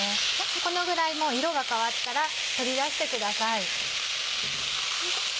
このぐらいもう色が変わったら取り出してください。